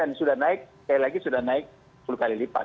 yang sudah naik sekali lagi sudah naik sepuluh kali lipat